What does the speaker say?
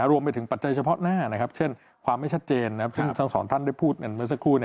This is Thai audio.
รวมไปถึงปัจจัยเฉพาะหน้านะครับเช่นความไม่ชัดเจนซ่อนท่านได้พูดเมื่อสักครู่